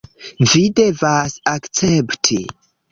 Vi devas akcepti